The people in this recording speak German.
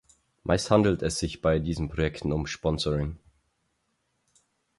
Meist handelt es sich bei diesen Projekten um Sponsoring.